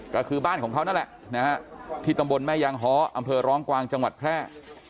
ก็คือบ้านของเขานั่นแหละนะฮะที่ตำบลแม่ยางฮ้ออำเภอร้องกวางจังหวัดแพร่